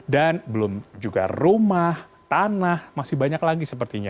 dan belum juga rumah tanah masih banyak lagi sepertinya